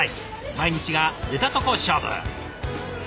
毎日が出たとこ勝負。